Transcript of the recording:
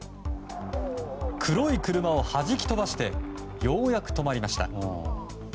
黒い車を弾き飛ばしてようやく止まりました。